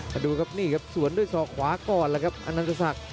มาดูครับนี่ครับสวนด้วยศอกขวาก่อนแล้วครับอนันตศักดิ